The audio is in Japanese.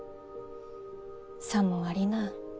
さもありなん。